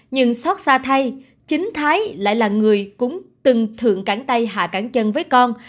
nhưng sót xa thay chính thái lại là người cũng từng thượng cảng tay hạ cảng chân với con